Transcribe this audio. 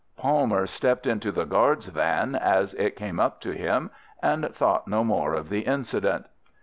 Palmer stepped into the guard's van, as it came up to him, and thought no more of the incident.